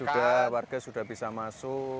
sudah warga sudah bisa masuk